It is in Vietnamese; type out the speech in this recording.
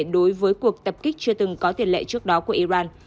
đối với cuộc tập kích chưa từng có tiền lệ trước đó của iran